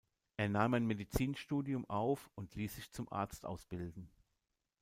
Er nahm ein Medizinstudium auf und ließ sich zum Arzt ausbilden.